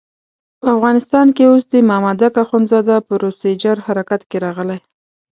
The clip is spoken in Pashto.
په افغانستان کې اوس د مامدک اخندزاده پروسیجر حرکت کې راغلی.